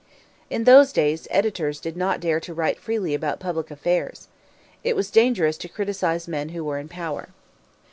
In those days editors did not dare to write freely about public affairs. It was dangerous to criticise men who were in power.